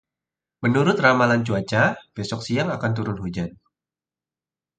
Menurut ramalan cuaca, besok siang akan turun hujan.